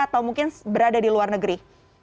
atau mungkin berada di luar negeri